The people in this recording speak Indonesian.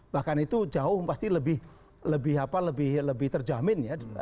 bahkan itu jauh pasti lebih terjamin ya